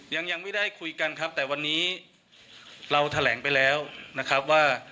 ยังไม่ได้คุยกันครับแต่วันนี้เราแถลงไปแล้วนะครับว่า